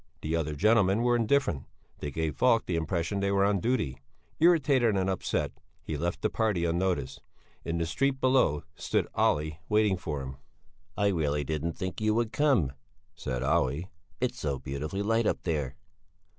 The other gentlemen were indifferent; they gave Falk the impression that they were on duty. Irritated and upset, he left the party unnoticed. In the street below stood Olle waiting for him. "I really didn't think you would come," said Olle. "It's so beautifully light up there."